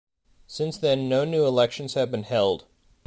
Since then, no new elections have been held.